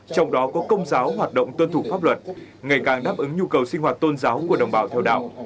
trong đó có công giáo hoạt động tuân thủ pháp luật ngày càng đáp ứng nhu cầu sinh hoạt tôn giáo của đồng bào theo đạo